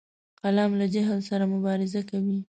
قلم له جهل سره مبارزه کوي